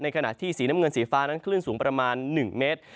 ขณะที่สีน้ำเงินสีฟ้านั้นคลื่นสูงประมาณ๑เมตร